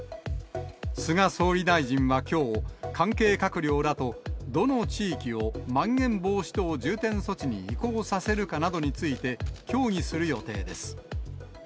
菅総理大臣はきょう、関係閣僚らとどの地域をまん延防止等重点措置に移行させるかなどについて、協議する予定です。